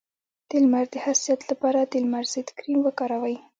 د لمر د حساسیت لپاره د لمر ضد کریم وکاروئ